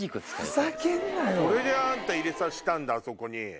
それで入れさせたんだあそこに。